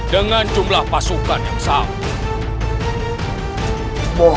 dengan jumlah pasukan yang berada di bawah